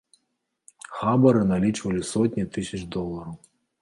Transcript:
Хабары налічвалі сотні тысяч долараў.